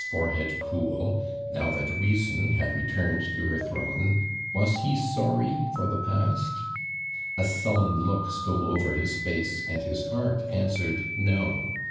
to the aim, hirt iorehead cool: now that reason had returned to her throne^ was he sorry for the past ? A sullen look stole over his face and his lieart answered "no."